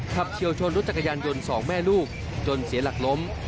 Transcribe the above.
เฉียวชนรถจักรยานยนต์สองแม่ลูกจนเสียหลักล้ม